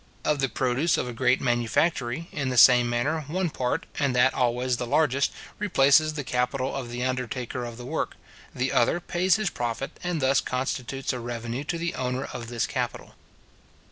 Of the produce of a great manufactory, in the same manner, one part, and that always the largest, replaces the capital of the undertaker of the work; the other pays his profit, and thus constitutes a revenue to the owner of this capital.